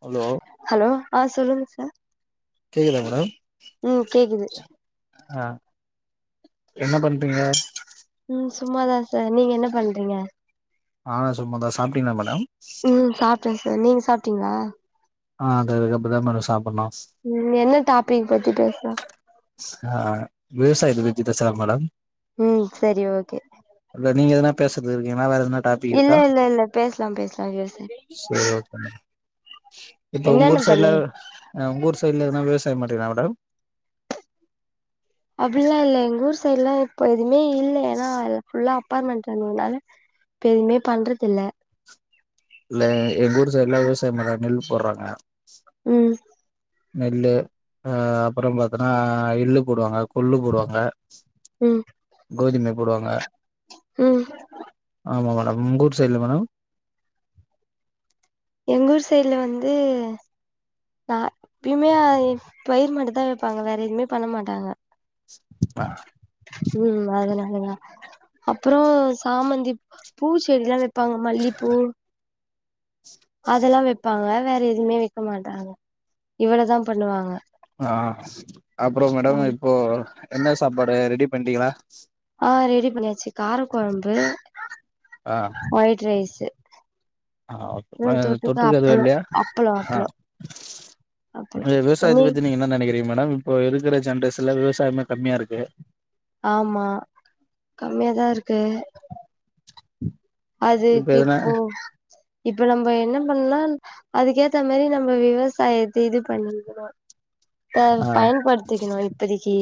Hello. Hello ஆ சொல்லுங்க sir கேக்குதா மேடம். ம் கேக்குது ஆ என்ன பண்றீங்க. ம் சும்மாதா சார் நீங்க என்ன பண்றீங்க. நானு சும்மதா சாப்டீங்ளா மேடம். டிங்ளா. ஆ இது இதுக்கப்றாதா மேடம் சாப்பட்ணூ. உம் என்ன டாபிக் பத்தி பேச. ஆ விவசாயத்த பத்தி பேசலா மேடம். ம் சரி ஓகே இல்ல நீங்க எதனா. பேசறது இருக்கீங்ன்னா வேற. எதனா டாபிக் இல்ல இருக்கா இல்ல இல்ல பேசலா பேசலா யோசி. சரி ஓகே மேம் இப்ப உங்கூர் சைட்ல அ உங்கூர் சைட்ல எதனா விவச். [unintelligible] மேடம். அப்டில்லா இல்ல எங்கூர். சைட்லா இப்பொழுதும். நெய் இல்ல ஏன்னா அது ஃபுல்லா. அப்பார்ட்மெண்ட் இல்ல இப்ப எதுமே பண்றதில்ல. இல்ல எ எங்கூர் சைட்ல விவசாயமெல்லா நெல் போட்றாங்க. உம். நெல்லு அ அப்ற பாத்தன எள்ளு போடுவாங்க கொள்ளு போடுவாங்க ம் கோதுமே போடுவாங்க ம் ஆமா வளவ் உங்கூர் சைட்ல மேடம் எங்க ஊர் சைட்ல வந்து நா அ எப்யுமே பயிர் மட்டு தா வெப்பாங்க வேற எதுமே பண்ண மாட்டாங்க ஆ உம் அதனாலதா அப்றோ சாமந்திப் பூச்செடிலா வெப்பாங்க மல்லிப்பூ அதெல்லா வெப்பாங்க வேற எதுமே வெக்க மாட்டாங்க இவ்ளதா பண்ணுவாங்க ஆ அப்றோ மேடம் இப்போ என்ன சாப்பாடு ரெடி பண்டீங்ளா ஆ ரெடி பண்ணியாச்சு கார கொழம்பு ஆ ஒயிட் ரைஸ் து ஆ தொட்டுக்க எதுவு இல்லையா அப்பளோ ஆ அப்பளோ அப்பளோ தண்ணி விவசாயத்த பத்தி நீங்க என்ன நெனைக்கிறீர் மேடம் இப்போ இருக்ற ஜென்ரேஷன்ல விவசாயமே கம்மியா இருக்கு ஆமா கம்மியாதா இருக்கு இப்ப அதுக்கு எதுனா இப்போ இப்ப நம்ம என்ன பண்ணா அதுக்கேத்த மாரி நம்ம விவசாயத்த இது பண்ணிகிறோ ப ஆ பயன்படுத்திக்கணு இப்பதைக்கு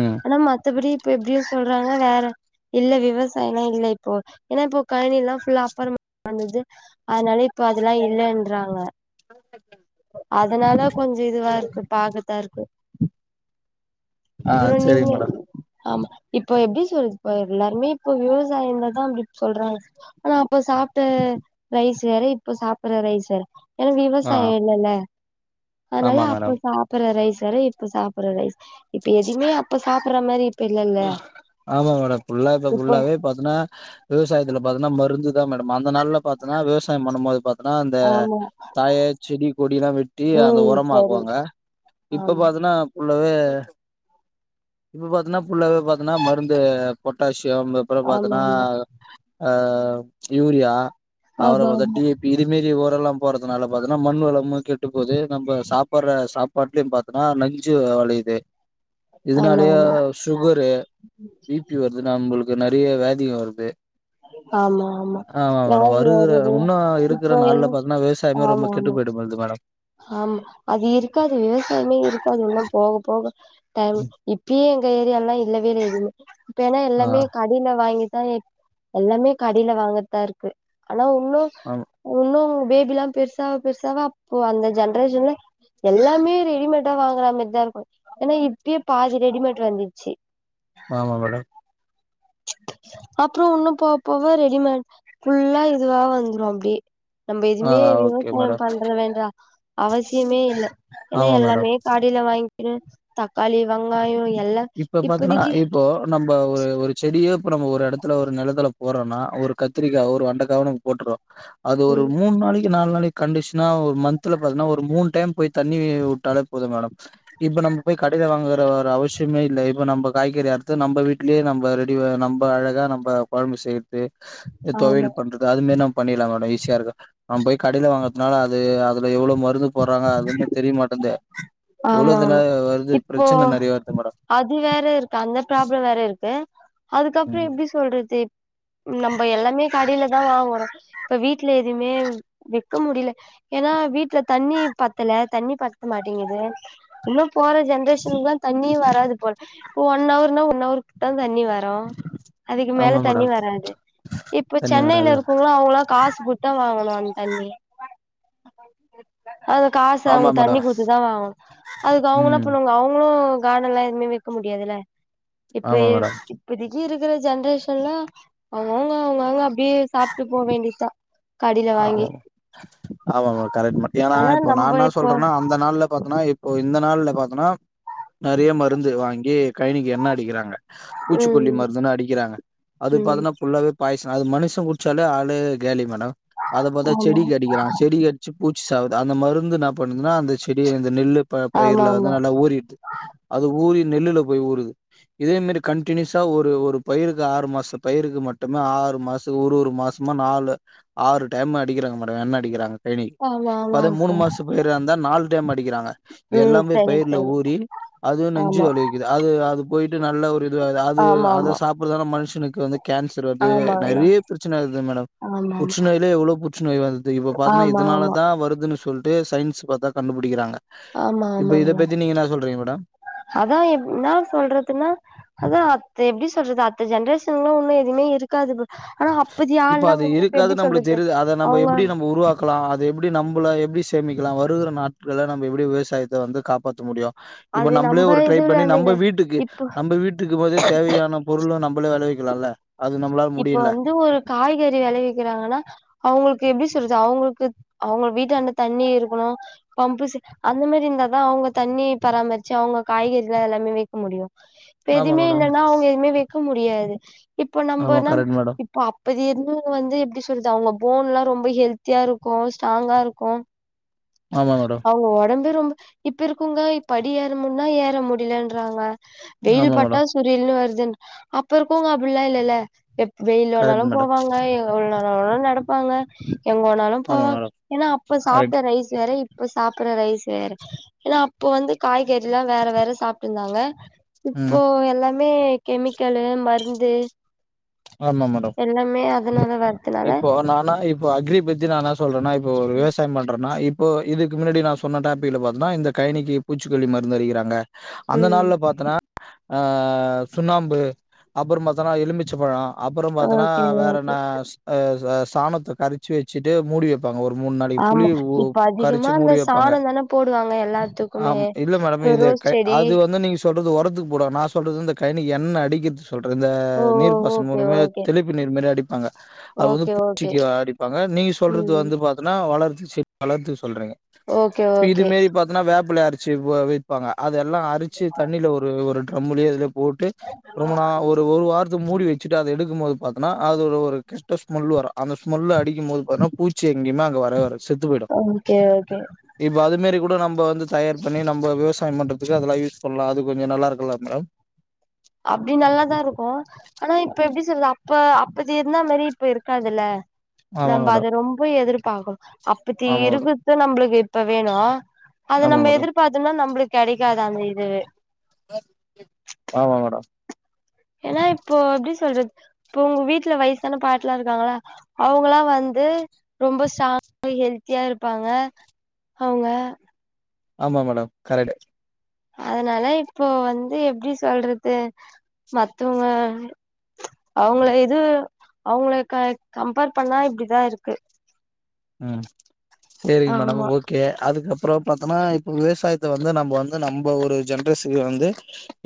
ம் ஆனா மத்தபடி இப்ப எப்டி சொல்றாங்க வேற இல்ல விவசாயலா இல்ல இப்போ ஏன்னா இப்போ கழனிலா புல்லா அப்பறமா வந்தது அதனால இப்ப அதெல்லா இல்ன்றாங்க [unintelligible] அதனால கொஞ்சோ இதுவா இருக்கு [unintelligible] இருக்கு ஆ அப்றோ நீங்க செரிங்க மேடம் ஆமா இப்போ எப்டி சொல்து பாரு எல்லாருமே இப்ப விவசாயம்ல தா அப்டி சொல்றாங்க ஆனா இப்ப சாப்ட்ட ரைஸ் வேற இப்ப சாப்ற ரைஸ் வேற ஏன்னா ஆ விவசாய இல்லல்ல அதனால ஆமா அப்போ மேடம் சாப்டுற ரைஸ் [unintelligible] இப்ப சாப்ற ரைஸ் இப்ப எதுவுமே அப்ப சாப்ற மாரி இப்ப இல்லல்ல மா ஆமா மேடம் ஃபுல்லா இப்ப இப்போ ஃபுல்லாவே பாத்ன்னா விவசாயத்துல பாத்னா மருந்து தா மேடம் அந்த நாள்ல பாத்தனா விவசாயம் பண்ணும் போது அதா அந்த ஆமா தாய செடி கொடிலா வெட்டி அந்த ம் உரமா சரி ஆக்குவாங்க இப்ப ஆமா பாத்தனா [unintelligible] இப்போ பாத்ன ஃபுல்லாவே பாத்தீன்னா மருந்து பொட்டாஷ் ஷியம் அப்புற பாத்தன்னா ஆமாமா அஹ் யூரியா அவர ஆமாமா வதட்டடியே பீரி மீறி ஓ எல்லா போறதுனால பாத்தீன்னா மண்ணு வளமும் கெட்டு போது நம்ம சாப்பாடுற சாப்ப பட்லயு பாத்தன்னா நஞ்சு வளையுது இதனாலய ஆமாமா சுகரு பிபி வருதுனா நம்பளுக்கு நெறைய விதியாதிக வருது ஆமாமா ஆமா ஆமா மேடம் வியாதி வருகற வருது இப்ப உன்னும்இருக்கிற நாள்ல எது பாத்தன்னா விவசாயமே ரொம்ப கெட்டு ஆமாமா போயிடும் போது மேடம் ஆமா அது இருக்காது விவசாயமே இருக்காது இன்னு போக போக டைம் இப்பயே எங்க ஏரியால இல்லவே எதுமே ப்பன்னா ஆ எல்லாமே கடின வாங்கி ம் எல்லாமே கடையில வாங்குர்தா இருக்கு ஆனா உன்னும் ஆமா உன்னும் பேபி எல்லா பெருசாவா பெருசாவா இப்போ அந்த ஜென்ரேஷன்ல எல்லாமே ரெடிமேடா வாங்கறாங்க தா இருக்கு ஏன்னா இப்பயே பாதி ரெடிமேட் வந்துருச்சு ஆமா மேடம் அப்ரோ உன்னு போ போக ரெடிமேட் ஃபுல்லா இதுவா வந்துரு அப்படியே நம்ம ஆ எதுவுமே ஓகே விவசாயம் மேடம் பண்ற வேன்ற அவசியமே இல்லை ஏன்னா ஆமா மேடம் எல்லாமே காடியில வாங்கி தக்காளி வெங்காயோ எல்லா இப்ப பாத்தனா இப்பதைக்கு இப்போ நம்ம ஒரு ஒரு செடியோ நம்ம ஒரு இடத்துல ஒரு நிலத்தல போறோனா ஒரு கத்திரிக்காவோ ஒரு வெண்டைக்காவோ நம்ம போட்டுருவோம் அது ஒரு ம் மூணு நாளைக் நாலு நாளைக்கு கண்டிஷனா மந்தல ஒரு மூணு டைம் போய் தண்ணி விட்டாலே போதும் மேடம் இப்ப நம்ம போய் கடையிலே வாங்குற ஒரு அவசியம் காய்கறி அறுத்து நம்ம வீடலேயே நம்ம ரெடி நம்ம அழகா நம்ம குழம்பு செய்ய ஆமா தொழில் பண்றது அது மாதிரி நாம பண்ணிறலா மேட இருக்கு நம்ம போய் கடைல வாங்கறதுனால அது அதுல எவ்வளவு மருந்து போடுறாங்க அதுமே தெரியமாட்டேந்து ஆமா உலதுலே ஆமா வருது இப்போ பிரச்சன நிறைய வருது மேடம் அது வேற இருக்கு அந்த ப்ராப்ள வேற இருக்கு ஏ அதுக்கப்றோ ம். எப்டி சொல்றதி நம்ம எல்லாமே கடிலதான வாங்கறோ இப்ப வீட்டில எதுவுமே வெக்க முடில ஏன்னா வீட்டுல தண்ணி பத்தல தண்ணி பத்த மாட்டிங்குது இன்னு போற ஜென்ரேஷனுல்லா தண்ணி வராது போல இப்போ ஒன் அவர்னா ஒன்ன அவர்கிட்ட தண்ணி வரு அதுக்கு மேல ஆமா மேடம். தண்ணி வராது இப்ப தண்ணி வராது சென்னைல இருக்கோவங்க அவங்களா காசு போட்டு வாங்கணு அதுக் தண்ணி அது காசு ஆமா அவங்க தண்ணி மேடம் கொத்துதா வாங்கனு அதுக்கு அவங்கென்ன ம் பண்ணுவாங்க அவங் இப்போ காடன் எல்லா எதுவுமே வெக்க முடியாதில்ல இப்போ ஆமா ஏ மேடம் இப்டி இருக்ற ஜென்ரேஷன்ல அவங்கவுங்க அவங்கவுங்க அப்டியே சாப்ட்டு போ வேண்டியதா கடைல வாங்கி ஆமாமா ஆமாமா கரெக்ட் ஏன்னா ஆனா இப்ப நம்ப நானா இப்போ சொல்றனா அந்த நாள்ல பாத்தன்னா இப் ப்போ இந்த நாள்ல பாத்தனா நெறையயா மருந்து வாங்கி கைனிக்கு எண்ண அடிக்றாங்க பூச்சிக்கொல்லி ம் மருந்துன்னு அடிக்றாங்க அது ம் பாத்தன்னா புல்லாவே பாய்ஸ் அது மனுஷ குச்சாலே ஆளே காலி மேடம் அத பாத்தா ஆமா செடிக்கு அடிக்றாங்க செடிக்கடுச்சு பூச் சாவுது அந்த மருந்து நா பண்ணுதுனா அந்த செடி அந்த நெல்லு ப ஆமா பயிரல வந்து ஆமா நல்லா ஊறிடுத் து அது ஊறி நெல்லுல போய் ஊறுது இதே மேரி கண்டுனியூஸா ஒரு ஒரு பயிருக்கு ஆறு மாச பயிருக்கு மட்டுமே ஆறு மாச ஒரு ஒரு மாசமா நாலு ஆறு டைம் அடிக்றாங்க மேடோ என்ன அடிக்றாங்க கைனி ஆமா இப்ப அத ஆமாங்க மூணு சார் மாச பயிராருந்தா நாலு டைம் அடிக்றாங்க இது ம் எல்லாமே சரி பயிர்ல சரி ஊறி அது நஞ்சு ஆமா அழுவிக்குது அது அது இது நல்ல ஒரு இதுவா அது ஆமா அத ஆமா சாப்டுறதால மனுஷனுக் இது வந்துக் கேன்சர் வருது ஆமாங்கண்ணா நறைய பிரச்சன வருது மேடம் ஆமா ஆமா புற்றுநோய்லயே எவ்ளோ புற்றுநோய் வருது இப்போ பாத்தோன்னா ஆமா இதனால ஆமா தா வருதுன்னு சொல் இதே சயின்ஸ் பாத்தா கண்டுபுடிக்றாங்க ஆமா ஆமாங்ணா மேடம் அதா என்னா சொல்றதுன்னா அதா அத எப்டி சொ இன்னா சொல்றது அடுத்த ஜென்ரேஷன்லா ஒன்னுமே எதுவுமே இருக்காது இப் இப்ப அது இருக்காதுன்னு நம்முளுக்கு சொல்றது தெரிது அத நம்ம அவங்க எப்டி நம்ம உருவாக்கலா அத எப் எப்டி நம்மள எப்டி சேமிக்கலா வருகிற நாட்கள நம்ம எப்டி விவசாயத்த வந்து காப்பாத்த முடியு இப்ப அது நம்மளே நம்ம ஒரு ட்ரை இதுல பண்ணி இருந்தது நம்ம வீட்டுக்கு இப்போ நம்ம வீட்டுக்கு போதே தேவையான பொருளு நம்மளே வெளவிக் இருக்லால்ல அது நம்ளால இப்போ முடியுல வந்து ஒரு காய்கறி வெளவிக்கிறாங்கனா அவுங்குளுக்கு எப்படி சொல்றது அவுங்குளுக்கு அவுங்க வீட்டாண்ட அந்த தண்ணி இருக்கணோ பம்புசெ அந்த மேரி இருந்தாதா அவுங்க தண்ணி பராமர்ச்சு அவுங்க காய்கறிலா எல்லாமே வெக்க முடியோ இப்ப ஆமா எதுமே மேடம் இல்லன்னா அவுங்க எதுமே வெ க்கு முடியாது இப்போ ஆமா நம்பனா கரெக்ட் மேடம் இப்ப அப்பதே இருந்தவங்க வந்து எப்டி சொல்றது அவுங்க போன்லா ரொம்ப ஹெல்த்தியா இருக்கோ ஸ்ட்ராங்கா இருக்கோ. ஆமா மேடம் இப்பவே ரொம்ப இப்ப இருக்குங்க இப் படி ஏற முடினா ஏற முடியுலன்றாங்க வெயில் ஆமா பட்டா மேடம் சுரீல்னு வருத் தென் அப்ப இருக்கோங்க அப்டீல்லா இல்லல்ல வெயில் ஓனாலோ கரெக்ட் மேடம் போவாங்க எங்க வேணாலோ நாங்களோ நடப் ப்பாங்க எங்கவோனாலோ ஆமா போவாங்க மேடம் ஏனா அப்ப சாப்ட்ட கரெக்ட் ரைஸ் அதோ இப்ப சாப்படுற ரைஸ் வேற ஏனா அப்ப வந்து காய் கேட்டுலா வேற வேற சாப்ட்ருந்தாங்க ங்க இப்போ ம் எல்லா மே கெமிக்கலு மருந்து ஆமா மேடம் எல்லாமே அதனால வரதுனால இப்போ நானா இப்போ அக்ரி பத்தி நானா சொல்றன்னா இப்போ ஒரு விவசாயம் பண்றனா இப் இப்போ இதுக்கு முன்னாடி நா சொன்ன டாபிக்ல பாத்தின்னா இந்த கைனிக்கு பூச்சிக்கொல்லி மருந்து அடிக்கிறாங்க அந்த ம் நாள்ல பாத்தனா ஆ சுண்ணாம்பு அப்புறம் பாத்தனா எலுமிச் ச்சப்பழ அப்புறம் பாத்தனா ஓகே வேற ஓகே என்ன சாணத்தை கரச்சு வெச்சிட்டு மூடி வை ஆமா இப்ப அதிகமா அந்த மூடி வைப்பாங்க சாணந்தான போடுவாங்க எல்லாத்துக்குமே ஆம் இல்ல மேடம் இப்ப இது ரோஸ் கை செடி அது வந்து நீங்க உரத்துக்கு போட நா சொல்றது இந்த கைனிக்கு என்ன அடிக்க சொல்ற இந்ந ஓ நீ்ர் பாச ஓகே மூலம ஓகே தெளிப்பு நீர் மாரி அடிப்பாங்க அது ஓகே ஓகே பூச்சிக்கு அடிப்பாங்க நீங்க சொல்றது ம் வந்து பாத்தின வளர்துக்கு சொல்றிங்க ஓகே இது ஓகே மேரி பாத்தினா புல்லரச்சு வைப்பாங்க அத எல்லா அரச்சு தண்ணில ஒரு ட்ரமிலியோ எதுலியோ போட்டு ரொம்ப நா ஒரு வாரத்துக்கு மூடி வெச்ச எடுக்கும் போது பாத்தன்னா அது ஒரு கெட்ட ஸ்மெல் வரும் அந்த ஸ்மெல் அடிக் போது பூச்சி எங்கேயுமே அங்க வரவே வர செத்து போய்டும் ஓகே ஓகே இப்ப அது மாரி கூட நம்ப வந்து தயார் பண்ணி நம்ம விவசாயம் பண்ற றதுக்குலா யூஸ் பண்ணலா அது கொஞ்ச நல்லா இருக்குல்ல மேடம் அப்டி நல்லாதா இருக்கு ஆனா இப்ப எப்டி சொல்றது அப்ப ப்ப இருந்தா மாரி இப்ப இருக்காதுல்ல ஆமா நம்ப அத மேடம் ரொம்ப எதிர்ப் அப்புத்தி ஆமா மேடம் இருக்குற்கு நம்பளுக்கு ப்ப வேணு அத ஆமா நம்ப மேடம் எதிர்பாத்தோம்னா நம்மளுக் கெடைக்காது அந்த இதுவே ஆமா மேடம் ஏன்னா இப்போ எப்டி சொல்றது இப்ப உங்க வீட்ல வயசான பாட்டிலா இருக்காங்கள அவங்கலா வந்து ரொம்ப ஸ்ட்ராங்கா ஹெல்த் த்தியா இருப்பாங்க அவங்க ஆமா மேடம் கரட் அதனால இப்போ வந்து எப்படி சொல்றது மத்தவங்க அவங்கள இது அவங்கள க கம்பேர் பண்ணா இப்படிதா இருக்கு ம் சேரிங்க மேடம் ஆமா ஓகே அதுக்கப் அப்றோ பாத்தனா இப்போ விவசாயத்த வந்து நம்ப வந்து நம்ப ஒரு ஜென்ரேஷன் வந்து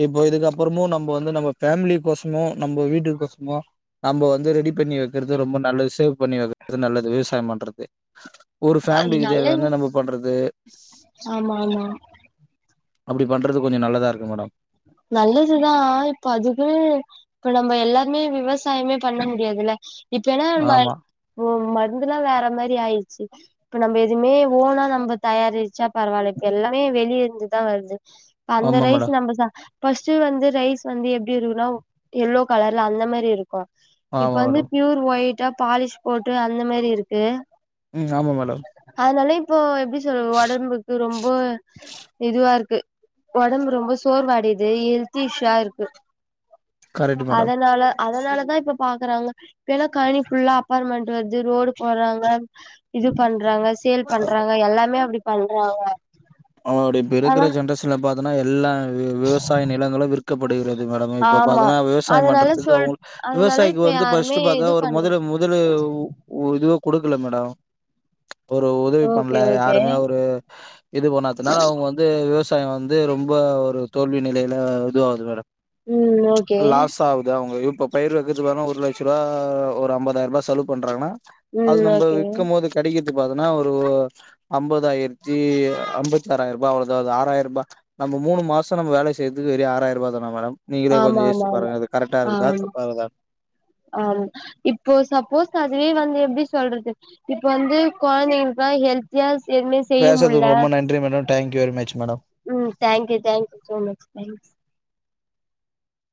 இப்போ இதுக்கப்புறமு நம்ப வந்து நம்ம ஃபேமிலிக்கோசமும் நம்ப வீட்டுக்கோசமோ நம்ப வந்து ரெடி பண்ணி வைக்கிறது ரொம்ப நல்லது சேவ் பண்ணி வைக்கிறது நல்லது விவசாயம் பண்ற து ஒரு அது ஃபேமிலிக்கு நல்லது தேவையான நம்ப பண்றது ஆமா ஆமா அப்டி பண்றது கொஞ்சொ நல்லதாருக்கு மேடம் நல்லதுதா இப்ப அதுக்கு இப்ப நம்ப எல்லாருமே விவசாயமே பண்ண முடியாதுல இப்ப எனா நம்பல் ஆமா ஒ மருந்துலா வேற மாரி ஆயிர்ச்சு இப்ப நம்ப எதுமே ஓனா நம்ப தயாரிச்சா பரவால்ல இப்ப எல்லாமே வெளிய இருந்துதா வருது அந்த ஆமா ரைஸ் மேடம் நம்ப சா ஃபர்ஸ்டு வந்து ரைஸ் வந்து எப்டி இருக்குனவ் எல்லோ கலர்ல அந்த மாரி இருக் கு இப்ப ஆமா வந்து மேடம் ப்யூர் ஒயிட் ட்ட பாலிஷ் போட்டு அந்த மேரி இருக்கு ம் ஆமா மேடம் இப்போய் எப்டி சொல்ற ஒடம்புக்கு ரொம்ப இதுவாருக்கு ஒடம்பு ரொம்ப சோர்வடைத் து எல்திஷா இருக்கு கரெக்ட் மேடம் அதனால அதனாலதா இப்ப பாக்குறாங்க இப்பயெல்லா காலணி ஃபுல்லா அபார்ட்மண்ட் வர்து ரோடு போறாங்க இது பண்றாங்க சேல் பண்றாங்க எல்லாமே அப்டி பண்றாங்க அவ அப்டி இப் இருக்கிற ஆனா ஜென்ரேஷன்ல பாத் தனா எல்லா வி வி விவசாய நிலங்களா விற்கப்படுகிறது மேடம் இப்பா ஆமா பாத்தனா விவசாயம் அதனால பண்றத்துக்கு சொல் அவ்ங்களுக் அதனால விவசாயிக்கு இப்ப வந்து ஃபஸ்ட் யாருமே பாத்தா இது ஒரு பண்ற மொதல முதலு உ ஒரு இது குடுக்கல மேடொ ஒரு உதவி ஓகே பண்ணல ஓகே யாருமே ஒரு இது பண்ணாத்துனால அவங்க வந்து விவசாயம் வந்து து ரொம்போ ஒரு தோல்வி நெலைல இது ஆவுது மேடம் ம் ப்ச் ஓகே லாஸ் ஆகுது அவங்யு இப்போ பயிர் வந்துட்டு இருந்தாலு ஒருலட்சரூபா ஒரு அம்பதாயிர ரூபா செலவு பண்றான்னா அது ம் நம்ம ஓகே விக்கும் போது கடைக் பாத்தன்னா ஒரு அம்பதாயிரத்தி அம்பத்தாராய்ருபா அவ்ளோதா ஆராய்ருபா நம்ம மூணு மாசம் நம்ம வேல செய்றதுக்கு வெறும் ஆராய்ருபா தானா மேடம் நீங்களே ஆமா கொஞ்சம் யோசிச்சு ஆமா ஆமா பாருங்க அது கரெக்டா ஆ இருக்குதா தப்பா இருக்குதா ஆ இப்போ சப்போஸ் அதுவே வந்து எப்டி சொல்றது இப்ப வந்து குழந்தைங்தா ஹெல்த்தியா எதுமே செய்ய பேசுறதுக்கு முட்ல ரொம்போ நன்றி madam thank you very much madam ம் thank you thank you so much thanks